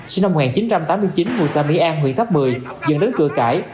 sinh năm một nghìn chín trăm tám mươi chín ngụ xã mỹ an huyện tháp mười dần đến cửa cải